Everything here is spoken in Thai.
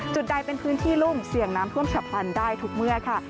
จุดใดเป็นพื้นที่รุ่มเสี่ยงน้ำท่วมฉับพลันได้ทุกเมื่อค่ะ